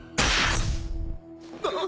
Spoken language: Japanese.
あっ！